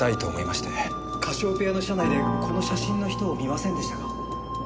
カシオペアの車内でこの写真の人を見ませんでしたか？